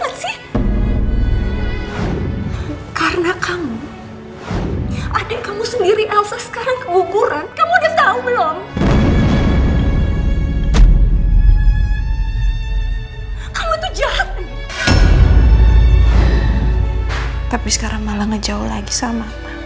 tapi kamu benar benar henagan